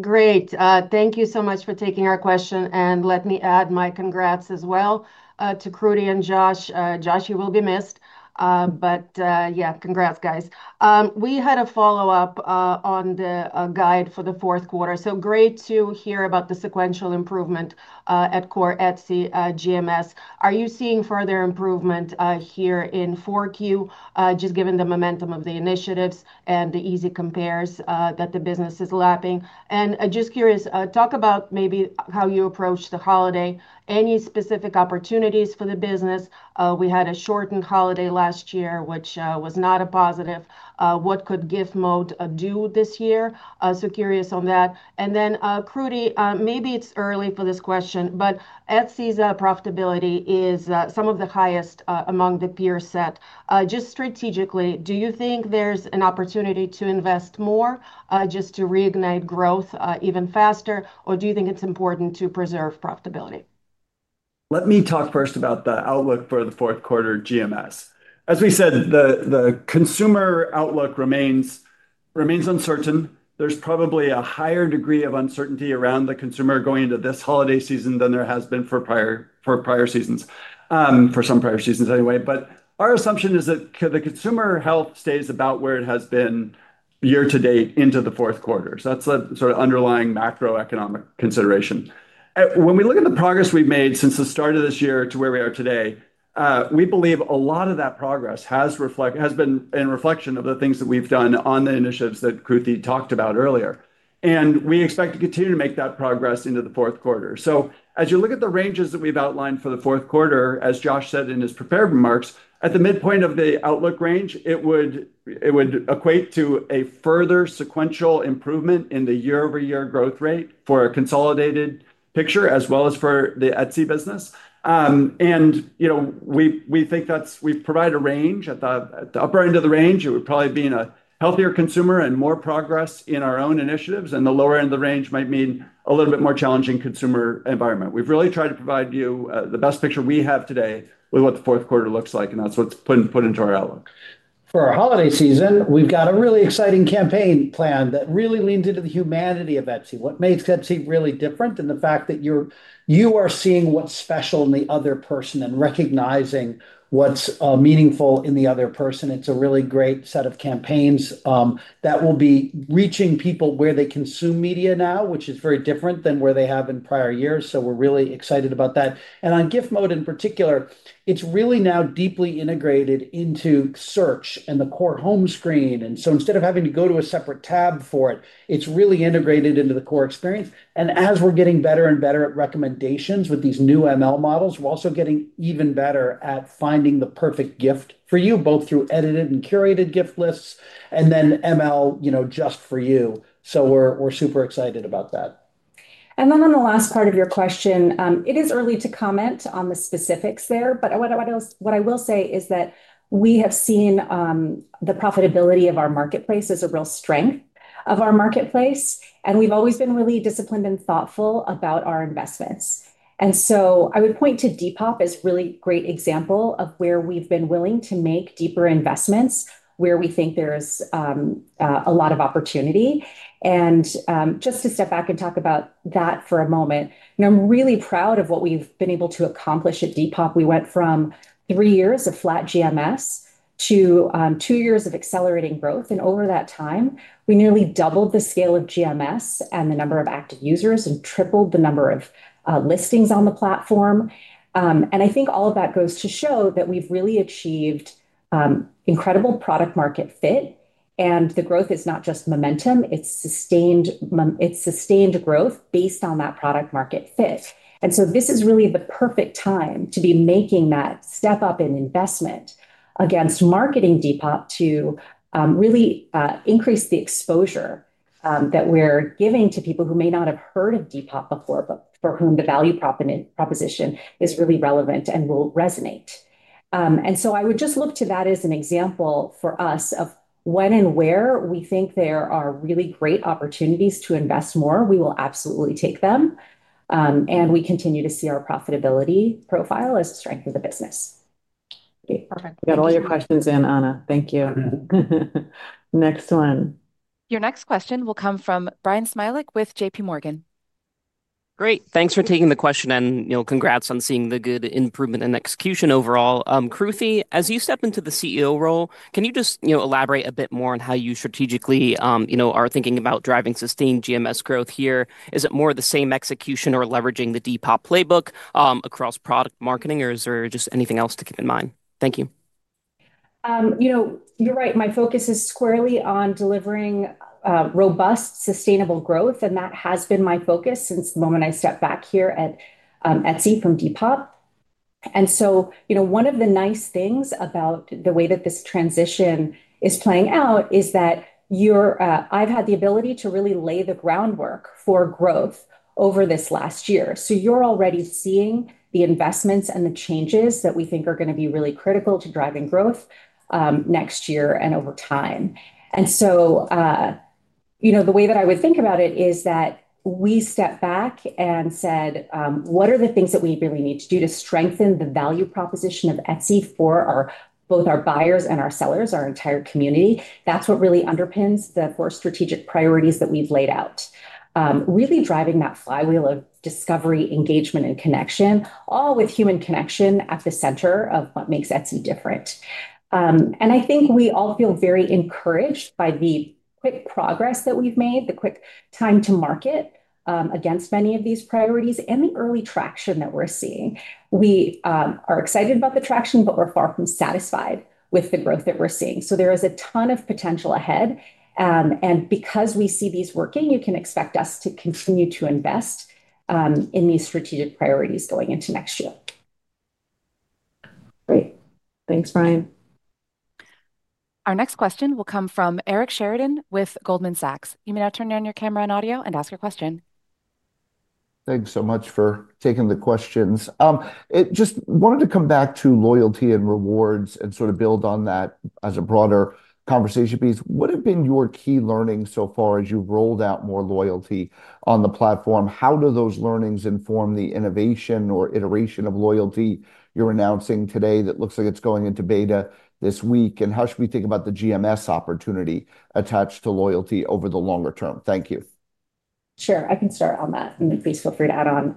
Great, thank you so much for taking our question and let me add my congrats as well to Kruti and Josh. Josh, you will be missed. Congrats, guys. We had a follow-up on the guide for the fourth quarter, so great to hear about the sequential improvement at Core Etsy GMS. Are you seeing further improvement here in 4Q, given the momentum of the initiatives and the easy compares that the business is lapping? Just curious, talk about maybe how you approach the holiday. Any specific opportunities for the business? We had a shortened holiday last year, which was not a positive. What could Gift Mode do this year? Curious on that. Kruti, maybe it's early for this question, but at Etsy, profitability is some of the highest among the peer set. Just strategically, do you think there's an opportunity to invest more just to reignite growth even faster, or do you think it's important to preserve profitability? Let me talk first about the outlook for the fourth quarter GMS. As we said, the consumer outlook remains uncertain. There's probably a higher degree of uncertainty around the consumer going into this holiday season than there has been for prior seasons, for some prior seasons anyway. Our assumption is that the consumer health stays about where it has been year to date into the fourth quarter. That's the sort of underlying macroeconomic consideration. When we look at the progress we've made since the start of this year to where we are today, we believe a lot of that progress has been in reflection of the things that we've done on the initiatives that Kruti talked about earlier, and we expect to continue to make that progress into the fourth quarter. As you look at the ranges that we've outlined for the fourth quarter, as Josh said in his prepared remarks, at the midpoint of the outlook range, it would equate to a further sequential improvement in year-over-year growth rate for a consolidated picture as well as for the Etsy business. We think that we provide a range at the upper end of the range. It would probably be a healthier consumer and more progress in our own initiatives. The lower end of the range might mean a little bit more challenging consumer environment. We've really tried to provide you the best picture we have today with what the fourth quarter looks like, and that's what's put into our outlook. For our holiday season, we've got a really exciting campaign plan that really leans into the humanity of Etsy. What makes Etsy really different is the fact that you are seeing what's special in the other person and recognizing what's meaningful in the other person. It's a really great set of campaigns that will be reaching people where they consume media now, which is very different than where they have in prior years. We're really excited about that. On gift mode in particular, it's really now deeply integrated into search and the core home screen. Instead of having to go to a separate tab for it, it's really integrated into the core experience. As we're getting better and better at recommendations with these new ML models, we're also getting even better at finding the perfect gift for you, both through edited and curated gift lists and then ML just for you. We're super excited about that. On the last part of your question, it is early to comment on the specifics there, but what I will say is that we have seen the profitability of our marketplace as a real strength of our marketplace, and we've always been really disciplined and thoughtful about our investments. I would point to Depop as a really great example of where we've been willing to make deeper investments where we think there's a lot of opportunity. Just to step back and talk about that for a moment, I'm really proud of what we've been able to accomplish at Depop. We went from three years of flat GMS to two years of accelerating growth. Over that time, we nearly doubled the scale of GMS and the number of active users and tripled the number of listings on the platform. I think all of that goes to show that we've really achieved incredible product market fit. The growth is not just momentum, it's sustained growth based on that product market fit. This is really the perfect time to be making that step up in investment against marketing Depop, to really increase the exposure that we're giving to people who may not have heard of Depop before, but for whom the value proposition is really relevant and will resonate with. I would just look to that as an example for us of when and where we think there are really great opportunities to invest more. We will absolutely take them, and we continue to see our profitability profile as a strength of the business. Perfect. Got all your questions in, Anna. Thank you. Next one. Your next question will come from Bryan Smilek with JPMorgan. Great. Thanks for taking the question, and congrats on seeing the good improvement in execution overall. Kruti, as you step into the CEO role, can you just elaborate a bit more on how you strategically are thinking about driving sustained GMS growth here? Is it more of the same execution, or leveraging the Depop playbook across product marketing, or is there just anything else to keep in mind? Thank you. You're right, my focus is squarely on delivering robust, sustainable growth. That has been my focus since the moment I stepped back here at Etsy from Depop. One of the nice things about the way that this transition is playing out is that I've had the ability to really lay the groundwork for growth over this last year. You're already seeing the investments and the changes that we think are going to be really critical to driving growth next year and over time. The way that I would think about it is that we stepped back and said, what are the things that we really need to do to strengthen the value proposition of Etsy for both our buyers and our sellers, our entire community. That's what really underpins the four strategic priorities that we've laid out, really driving that flywheel of discovery, engagement, and connection, all with human connection at the center of what makes Etsy different. I think we all feel very encouraged by the quick progress that we've made, the quick time to market against many of these priorities, and the early traction that we're seeing. We are excited about the traction, but we're far from satisfied with the growth that we're seeing. There is a ton of potential ahead. Because we see these working, you can expect us to continue to invest in these strategic priorities going into next year. Great. Thanks, Bryan. Our next question will come from Eric Sheridan with Goldman Sachs. You may now turn on your camera and audio and ask your question. Thanks so much for taking the questions. I just wanted to come back to loyalty and rewards and sort of build on that as a broader conversation piece, what have been your key learnings so far as you've rolled out more loyalty on the platform? How do those learnings inform the innovation or the iteration of loyalty you're announcing today going into beta this week? How should we think about the GMS opportunity attached to loyalty over the longer term? Thank you. Sure, I can start on that. Please feel free to add on.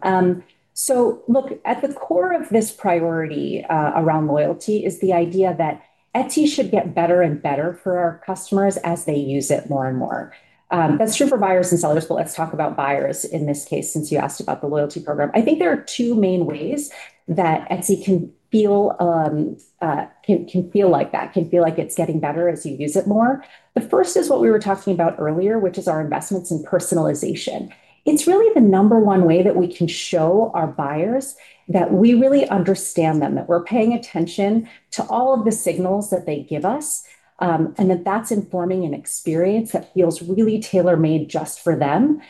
The core of this priority around loyalty is the idea that Etsy should get better and better for our customers as they use it more and more. That's true for buyers and sellers, but let's talk about buyers in this case. Since you asked about the loyalty program, I think there are two main ways that Etsy can feel like that, can feel like it's getting better as you use it more. The first is what we were talking about earlier, which is our investments in personalization. It's really the number one way that we can show our buyers that we really understand them, that we're paying attention to all of the signals that they give us, and that that's informing an experience that feels really tailor made just for them.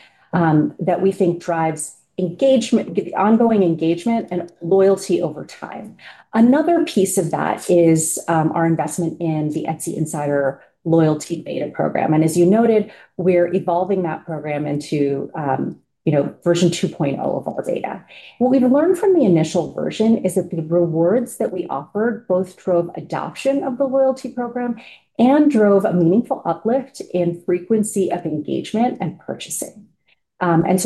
We think that drives engagement, ongoing engagement, and loyalty over time. Another piece of that is our investment in the Etsy Insider Loyalty beta program. As you noted, we're evolving that program into version 2.0. What we've learned from the initial version is that the rewards that we offered both drove adoption of the loyalty program and drove a meaningful uplift in frequency of engagement and purchasing.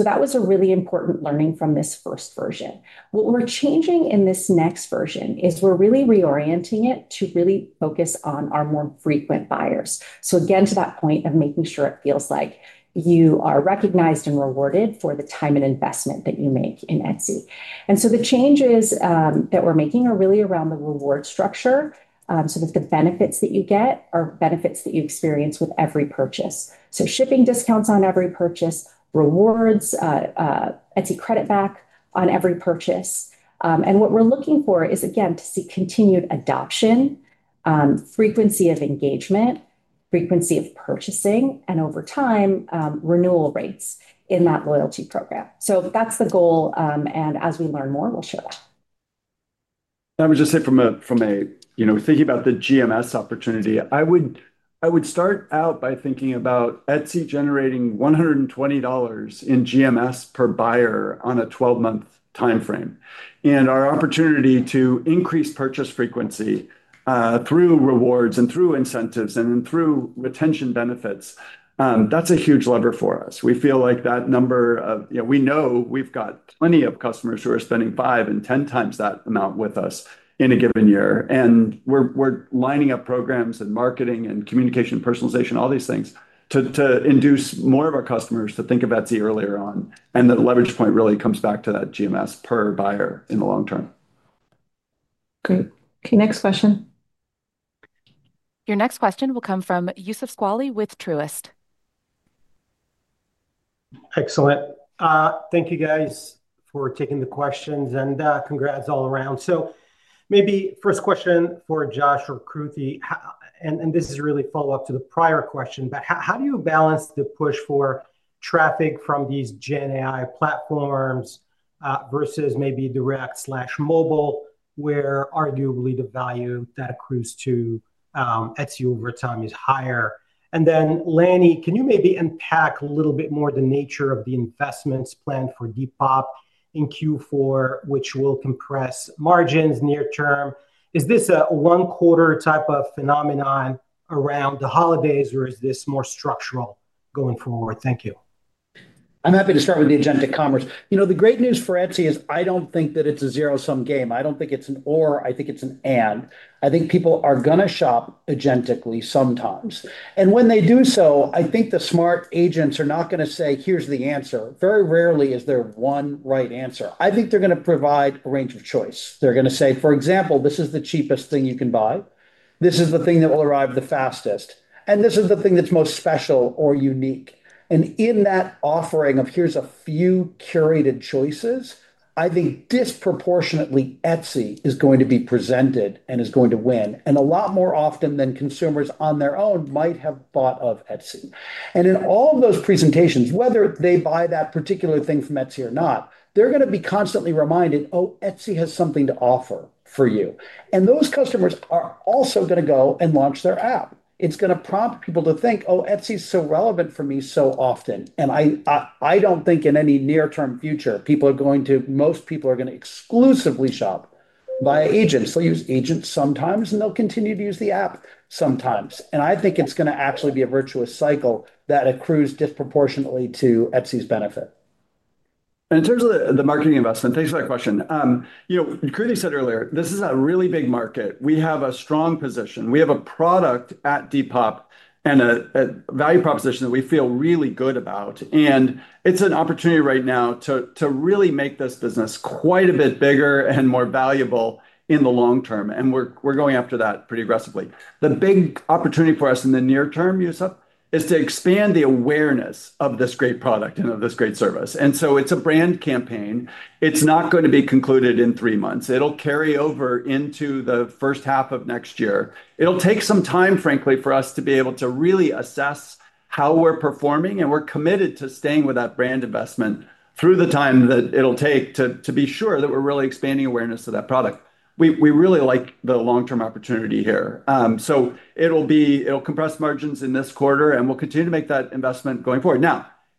That was a really important learning from this first version. What we're changing in this next version is we're really reorienting it to really focus on our more frequent buyers. Again, to that point of making sure it feels like you are recognized and rewarded for the time and investment that you make in Etsy. The changes that we're making are really around the reward structure so that the benefits that you get are benefits that you experience with every purchase—shipping discounts on every purchase, rewards, Etsy credit back on every purchase. What we're looking for is again to see continued adoption, frequency of engagement, frequency of purchasing, and over time, renewal rates in that loyalty program. That's the goal, and as we learn more, we'll share that. I would just say from thinking about the GMS opportunity, I would start out by thinking about Etsy generating $120 in GMS per buyer on a 12-month time frame and our opportunity to increase purchase frequency through rewards, incentives, and retention benefits. That's a huge lever for us. We feel like that number, we know we've got plenty of customers who are spending five and ten times that amount with us in a given year. We're lining up programs, marketing, communication, personalization, all these things to induce more of our customers to think of Etsy earlier on. The leverage point really comes back to that GMS per buyer in the long term. Great. Next question. Your next question will come from Youssef Squali with Truist. Excellent. Thank you guys for taking the questions. Congratulations all around. Maybe first question for Josh or Kruti, and this is really follow up to the prior question, how do you balance the push for traffic from these GenAI platforms versus maybe direct mobile where arguably the value that accrues to Etsy over time is higher? Lanny, can you maybe unpack a little bit more the nature of the investments planned for Depop and in Q4 which will compress margins near term? Is this a one quarter type of phenomenon around the holidays or is this more structural going forward? Thank you. I'm happy to start with the agentic commerce. The great news for Etsy is I don't think that it's a zero sum game. I don't think it's an or, I think it's an and. I think people are going to shop agentically sometimes and when they do so I think the smart agents are not going to say here's the answer. Very rarely is there one right answer. I think they're going to provide a range of choice. They're going to say for example, this is the cheapest thing you can buy, this is the thing that will arrive the fastest, and this is the thing that's most special or unique. In that offering of here's a few curated choices, I think disproportionately Etsy is going to be presented and is going to win a lot more often than consumers on their own might have thought of Etsy. In all of those presentations, whether they buy that particular thing from Etsy or not, they're going to be constantly reminded, oh, Etsy has something to offer for you. Those customers are also going to go and launch their app. It's going to prompt people to think, oh, Etsy's so relevant for me so often. I don't think in any near term future most people are going to exclusively shop via agents. They'll use agents sometimes and they'll continue to use the app sometimes. I think it's going to actually be a virtuous cycle that accrues disproportionately to Etsy's benefit. In terms of the marketing investment. Thanks for that question. You know, Kruti said earlier, this is a really big market. We have a strong position. We have a product at Depop and a value proposition that we feel really good about. It's an opportunity right now to really make this business quite a bit bigger and more valuable in the long term. We're going after that pretty aggressively. The big opportunity for us in the near term, Youssef is to expand the awareness of this great product and of this great service. It's a brand campaign. It's not going to be concluded in three months. It'll carry over into the first half of next year. It'll take some time, frankly, for us to be able to really assess how we're performing. We're committed to staying with that brand investment through the time that it'll take to be sure that we're really expanding awareness of that product. We really like the long term opportunity here. It'll compress margins in this quarter and we'll continue to make that investment going forward.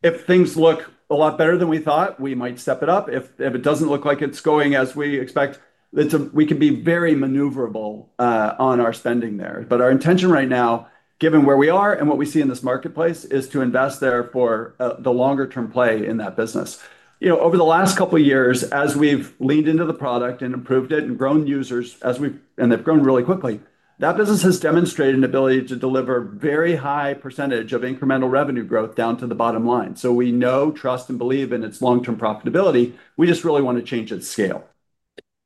If things look a lot better than we thought, we might step it up. If it doesn't look like it's going as we expect, we can be very maneuverable on our spending there. Our intention right now, given where we are and what we see in this marketplace, is to invest there for the longer term play in that business. Over the last couple of years as we've leaned into the product and improved it and grown users, and they've grown really quickly, that business has demonstrated an ability to deliver very high percentage of incremental revenue growth down to the bottom line. We know, trust, and believe in its long term profitability. We just really want to change its scale.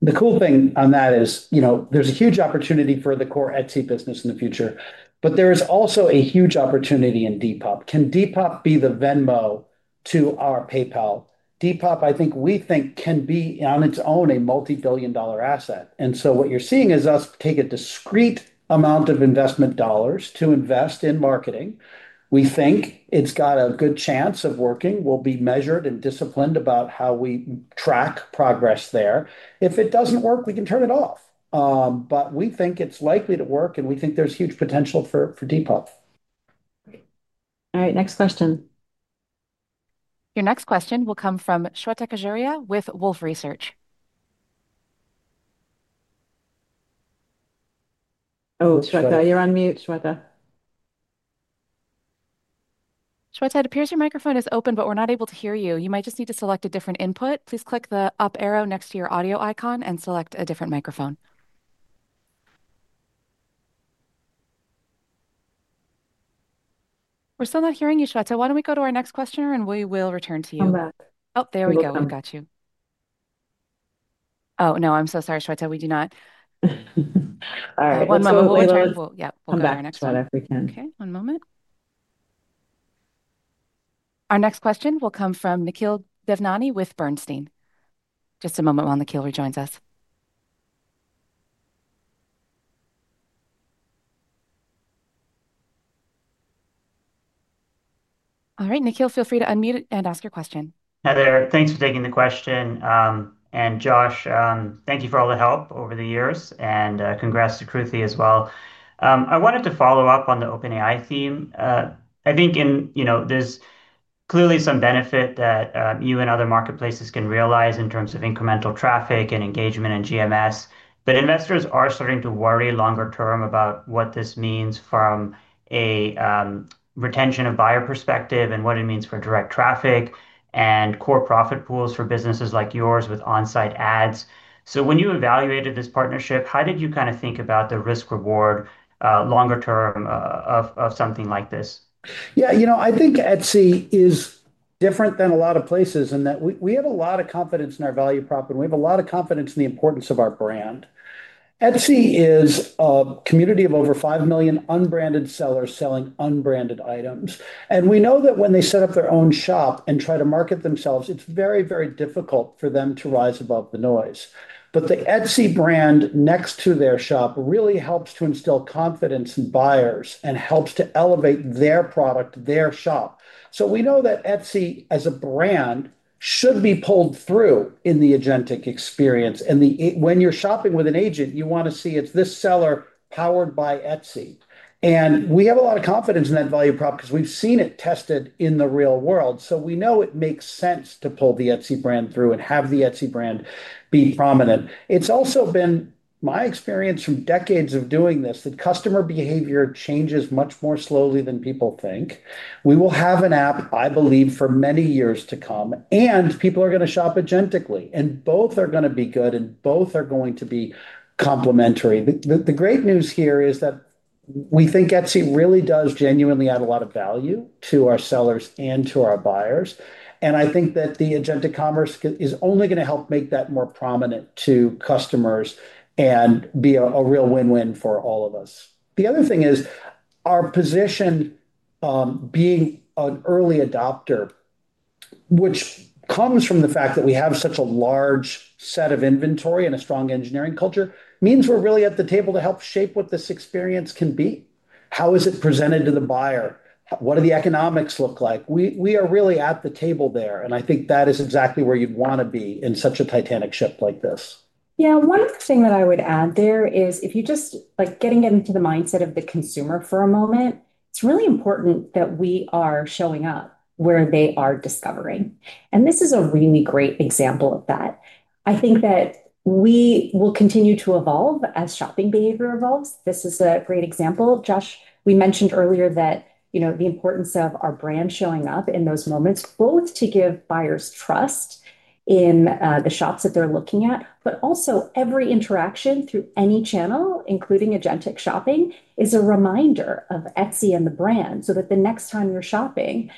The cool thing on that is, you know, there's a huge opportunity for the Core Etsy business in the future, but there is also a huge opportunity in Depop. Can Depop be the Venmo to our PayPal? Depop, I think, we think can be on its own a multibillion dollar asset. What you're seeing is us take a discrete amount of investment dollars to invest in marketing. We think it's got a good chance of working. We'll be measured and disciplined about how we track progress there. If it doesn't work, we can turn it off, but we think it's likely to work and we think there's huge potential for Depop. All right, next question. Your next question will come from Shweta Khajuria with Wolfe Research. Oh, Shweta, you're on mute. Shweta. Shweta, it appears your microphone is open, but we're not able to hear you. You might just need to select a different input. Please click the up arrow next to your audio icon and select a different microphone. We're still not hearing you. Why don't we go to our next questioner and we will return to you. Oh, there we go. I got you. Oh, no. I'm so sorry, Shweta. We do not. All right, one moment. Okay, one moment. Our next question will come from Nikhil Devnani with Bernstein. Just a moment while Nikhil rejoins us. All right, Nikhil, feel free to unmute and ask your question. Hi there. Thanks for taking the question. Josh, thank you for all the help over the years and congrats to Kruti as well. I wanted to follow up on the OpenAI theme. I think there's clearly some benefit that you and other marketplaces can realize in terms of incremental traffic and engagement and GMS. Investors are starting to worry longer term about what this means from a retention of buyer perspective and what it means for direct traffic and core profit pools for businesses like yours with on-site ads. When you evaluated this partnership, how did you kind of think about the risk reward longer term of something like this? Yeah, I think Etsy is different than a lot of places in that we have a lot of confidence in our value prop, and we have a lot of confidence in the importance of our brand. Etsy is a community of over 5 million unbranded sellers selling unbranded items. We know that when they set up their own shop and try to market themselves, it's very, very difficult for them to rise above the noise. The Etsy brand next to their shop really helps to instill confidence in buyers and helps to elevate their product, their shop. We know that Etsy as a brand should be pulled through in the agentic experience. When you're shopping with an agent, you want to see it's this seller powered by Etsy. We have a lot of confidence in that value prop because we've seen it tested in the real world. We know it makes sense to pull the Etsy brand through and have the Etsy brand be prominent. It's also been my experience from decades of doing this that customer behavior changes much more slowly than people think. We will have an app, I believe, for many years to come, and people are going to shop agentically, and both are going to be good, and both are going to be complementary. The great news here is that we think Etsy really does genuinely add a lot of value to our sellers and to our buyers. I think that the agentic commerce is only going to help make that more prominent to customers and be a real win-win for all of us. The other thing is our position being an early adopter, which comes from the fact that we have such a large set of inventory and a strong engineering culture, means we're really at the table to help shape what this experience can be, how is it presented to the buyer, what do the economics look like? We are really at the table there, and I think that is exactly where you'd want to be in such a titanic ship like this. Yeah. One thing that I would add there is if you just like getting into the mindset of the consumer for a moment, it's really important that we are showing up where they are discovering. This is a really great example of that. I think that we will continue to evolve as shopping behavior evolves. This is a great example, Josh, we mentioned earlier that, you know the importance of our brand showing up in those moments, both to give buyers trust in the shops that they're looking at, but also every interaction through any channel, including agentic shopping is a reminder of Etsy and the brand so that the next time you're shopping,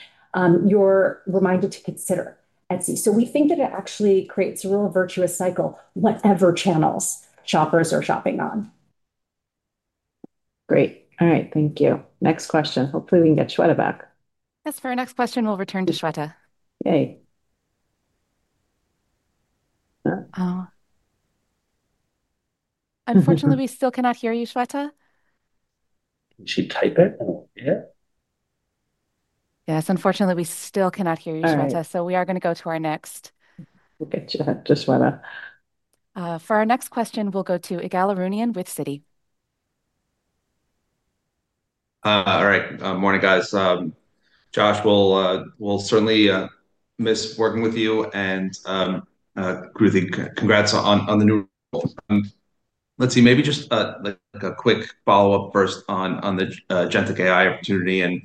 you're reminded to consider Etsy. We think that it actually creates a real virtuous cycle, whatever channels shoppers are shopping on. Great. All right, thank you. Next question. Hopefully we can get Shweta back. As for our next question, we'll return to Shweta. Oh, unfortunately we still cannot hear you, Shweta. Can she type it? Yes, unfortunately we still cannot hear you, Shweta. We are going to go to our next question. For our next question, we'll go to Ygal Arounian with Citi. All right. Morning guys. Josh will certainly miss working with you and Kruti, congrats on the new, let's see, maybe just a quick follow up first on the agentic AI opportunity.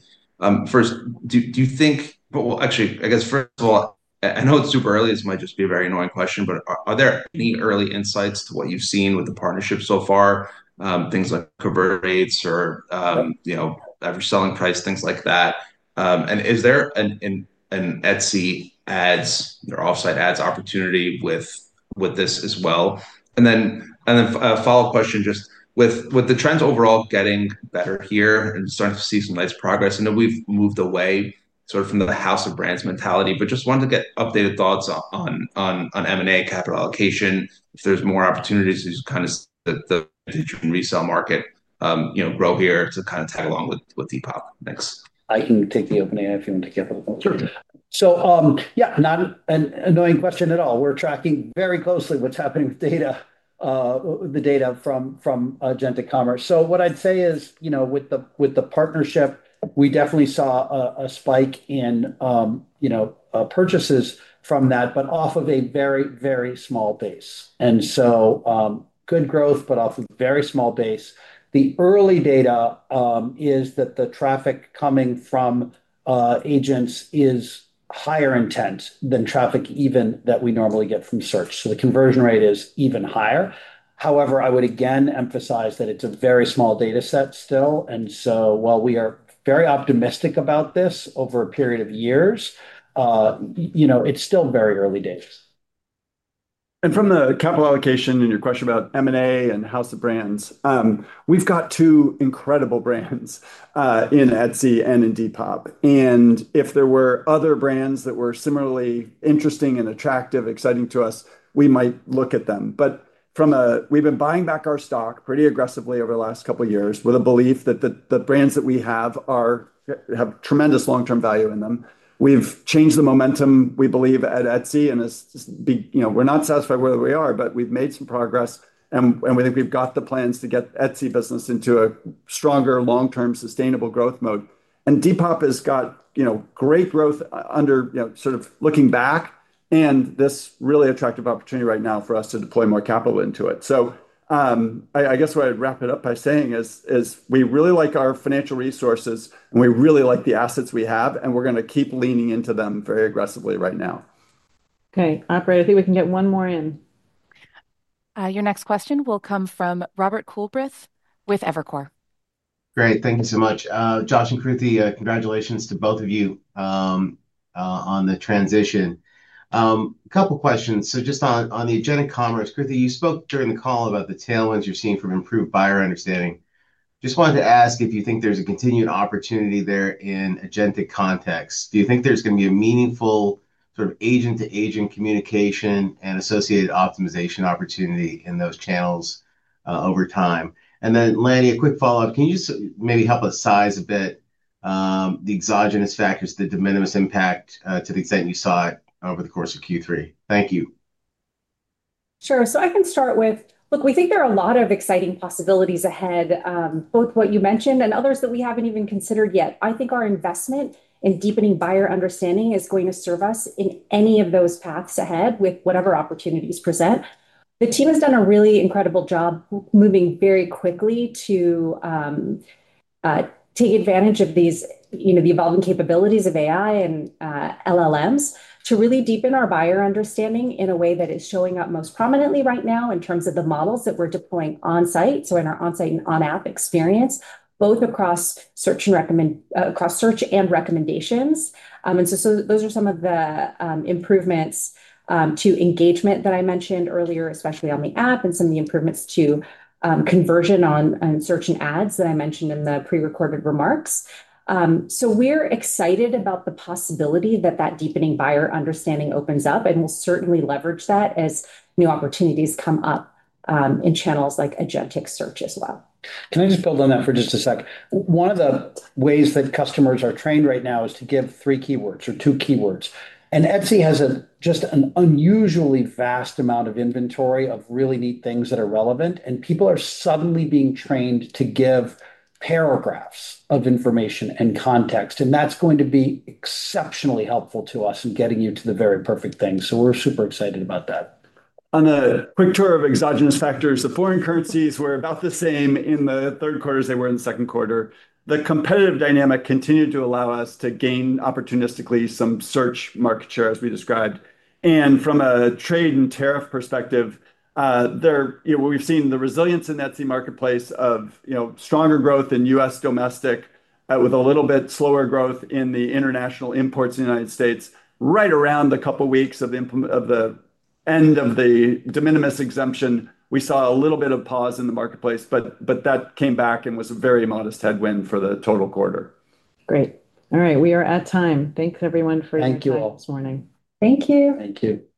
Do you think, actually, first of all I know it's super early. This might just be a very annoying question, but are there any early insights to what you've seen with the partnership so far? Things like coverage or, you know, average selling price? Things like that. Is there an Etsy Ads or offsite ads opportunity with this as well? Follow up question, just with the trends overall getting better here and starting to see some nice progress, we've moved away sort of from the House of Brands mentality, but just wanted to get updated thoughts on M&A capital allocation if there's more opportunities and resale market growth here to kind of tag along with Depop. Thanks. I can take the opening if you want to get. Not an annoying question at all. We're tracking very closely what's happening with the data from agentic commerce. What I'd say is with the partnership we definitely saw a spike in purchases from that, but off of a very, very small base and good growth, but off a very small base. The early data is that the traffic coming from agents is higher intent than traffic even that we normally get from search, so the conversion rate is even higher. However, I would again emphasize that it's a very small data set still. While we are very optimistic about this over a period of years, you know, it's still very early days. From the capital allocation and your question about M&A and House of Brands, we've got two incredible brands in Etsy and in Depop. If there were other brands that were similarly interesting and attractive, exciting to us, we might look at them. We've been buying back our stock pretty aggressively over the last couple of years with a belief that the brands that we have have tremendous long-term value in them. We've changed the momentum we believe at Etsy, and we're not satisfied where we are, but we've made some progress and we think we've got the plans to get Etsy business into a stronger long-term sustainable growth mode. Depop has got great growth under sort of looking back, and this really attractive opportunity right now for us to deploy more capital into it. I guess what I'd wrap it up by saying is we really like our financial resources and we really like the assets we have, and we're going to keep leaning into them very aggressively right now. Okay, operator, I think we can get one more in. Your next question will come from Robert Coolbrith with Evercore. Great. Thank you so much, Josh and Kruti, congratulations to both of you on the transition. A couple questions on the agentic commerce, Kruti, you spoke during the call about the tailwinds you're seeing from improved buyer understanding. Just wanted to ask if you think there's a continued opportunity there in agentic context, do you think there's going to be a meaningful sort of agent to agent communication and associated optimization opportunity in those channels over time? Lanny, a quick follow up. Can you maybe help us size a bit, the exogenous factors, the de minimis impact to the extent you saw it over the course of Q3? Thank you. Sure. I can start with look, we think there are a lot of exciting possibilities ahead, both what you mentioned and others that we haven't even considered yet. I think our investment in deepening buyer understanding is going to serve us in any of those paths ahead with whatever opportunities present. The team has done a really incredible job moving very quickly to take advantage of these, the evolving capabilities of AI and LLMs to really deepen our buyer understanding in a way that is showing up most prominently right now in terms of the models that we're deploying on site. In our onsite and on app experience, both across search and recommendations, those are some of the improvements to engagement that I mentioned earlier, especially on the app, and some of the improvements to conversion on search and ads that I mentioned in the prerecorded remarks. We're excited about the possibility that that deepening buyer understanding opens up and we will certainly leverage that as new opportunities come up in channels like agentic search as well. Can I just build on that for just a sec? One of the ways that customers are trained right now is to give three keywords or two keywords, and Etsy has just an unusually vast amount of inventory of really neat things that are relevant. People are suddenly being trained to give paragraphs of information and context, and that's going to be exceptionally helpful to us in getting you to the very perfect thing. We are super excited about that. On a quick tour of exogenous factors, the foreign currencies were about the same in the third quarter as they were in the second quarter. The competitive dynamic continued to allow us to gain opportunistically some search market share, as we described. From a trade and tariff perspective, we've seen the resilience in the Etsy Marketplace of stronger growth in U.S. domestic with a little bit slower growth in the international imports. United States. It's right around a couple of weeks of the end of the de minimis exemption. We saw a little bit of pause in the marketplace, but that came back and was a very modest headwind for the total quarter. Great. All right. We are at time. Thanks, everyone, for this morning. Thank you. Thank you.